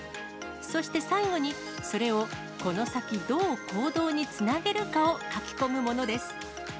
そして最後に、それをこの先、どう行動につなげるかを書き込むものです。